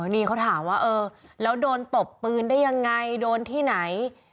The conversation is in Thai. นี่เขาถามว่าเออแล้วโดนตบปืนได้ยังไงโดนที่ไหน